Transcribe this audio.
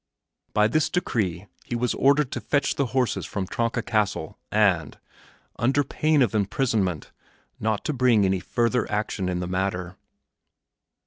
By this decree he was ordered to fetch the horses from Tronka Castle and, under pain of imprisonment, not to bring any further action in the matter.